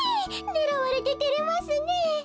ねらわれててれますねえ。